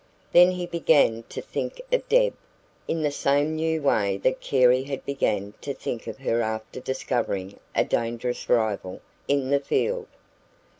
Then he began to think of Deb in the same new way that Carey had begun to think of her after discovering a dangerous rival in the field.